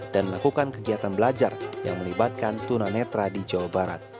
dan melakukan kegiatan belajar yang melibatkan tuna netra di jawa barat